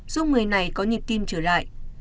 giúp người này có nhịp tim trở lại